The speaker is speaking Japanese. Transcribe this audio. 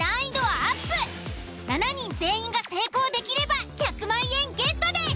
［７人全員が成功できれば１００万円ゲットです］